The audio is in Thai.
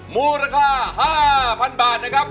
มูลค่า๕๐๐๐บาทนะครับ